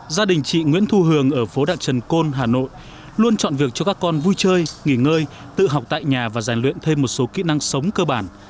gia đình chị nguyễn thu hường ở phố đại trần côn hà nội luôn chọn việc cho các con vui chơi nghỉ ngơi tự học tại nhà và rèn luyện thêm một số kỹ năng sống cơ bản